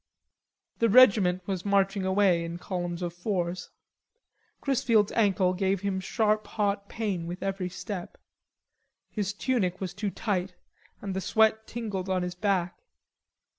The regiment was marching away in columns of fours. Chrisfield's ankle gave him sharp hot pain with every step. His tunic was too tight and the sweat tingled on his back.